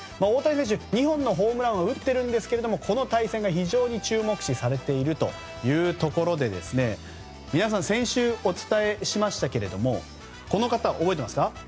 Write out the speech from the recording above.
大谷選手、２本のホームランを打っているんですがこの対戦が非常に注目視されているところで皆さん先週お伝えしましたがこの方、覚えていますか？